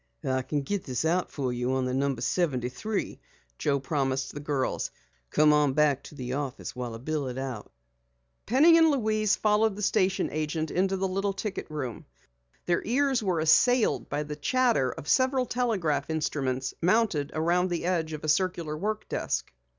"I can get this out for you on No. 73," Joe promised the girls. "Come on back to the office while I bill it out." Penny and Louise followed the station agent into the little ticket room. Their ears were assailed by the chatter of several telegraph instruments mounted around the edge of a circular work desk.